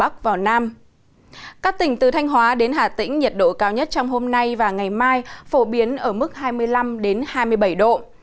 các tỉnh từ thanh hóa đến hà tĩnh nhiệt độ cao nhất trong hôm nay và ngày mai phổ biến ở mức hai mươi năm hai mươi bảy độ